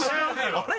あれ？